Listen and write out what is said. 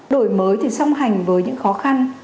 đổi mới thì song hành với những khó khăn